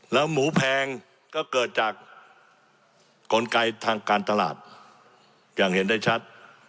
แล้วหมูแพงก็เกิดจากกลไกทางการตลาดอย่างเห็นได้ชัด